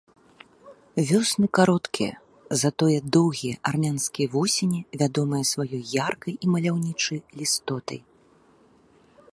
Вёсны кароткія, затое доўгія армянскія восені вядомыя сваёй яркай і маляўнічай лістотай.